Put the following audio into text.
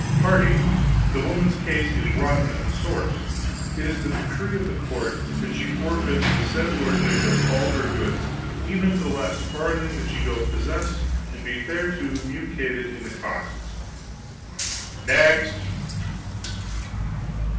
Pardy, the woman's case is rotten at the source. It is the decree of the court that she forfeit to the said lord bishop all her goods, even to the last farthing that she doth possess, and be thereto mulcted in the costs. Next!"